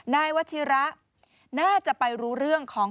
นายวัชิระน่าจะไปรู้เรื่องของ